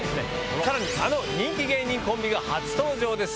さらにあの人気芸人コンビが初登場です。